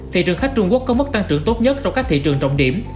thị trường khách trung quốc có mức tăng trưởng tốt nhất trong các thị trường trọng điểm